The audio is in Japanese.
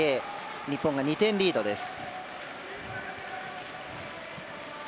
日本が２点リードです。